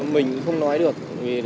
mình cũng không nói được